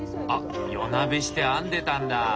あっ夜なべして編んでたんだ。